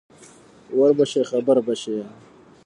ور به شې خبر به شې.